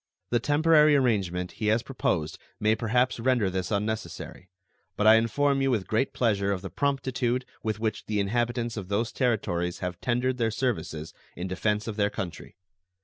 The temporary arrangement he has proposed may perhaps render this unnecessary; but I inform you with great pleasure of the promptitude with which the inhabitants of those Territories have tendered their services in defense of their country.